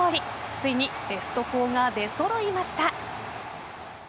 ついにベスト４が出揃いました。